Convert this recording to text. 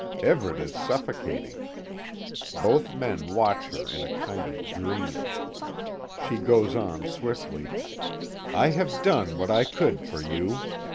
Everet is suffocating. Both men watch her in a kind of dream. She goes on swiftly: "I have done what I could for you.